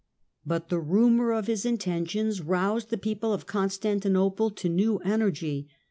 But the rumour of his intentions roused the teople of Constantinople to new energy.